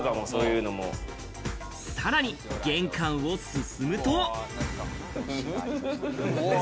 さらに玄関を進むと。